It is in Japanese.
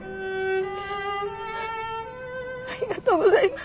ありがとうございます。